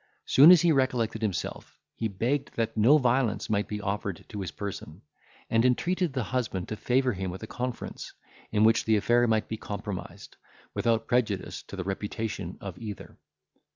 Soon as he recollected himself, he begged that no violence might be offered to his person, and entreated the husband to favour him with a conference, in which the affair might be compromised, without prejudice to the reputation of either.